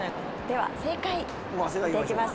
では、正解見ていきます。